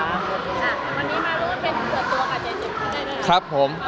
โอเคไหมคะ